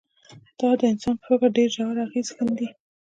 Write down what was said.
دا د انسان په فکر ډېر ژور اغېز ښندي